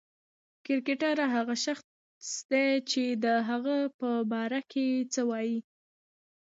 کرکټر هغه شخص دئ، چي د هغه په باره کښي څه وايي.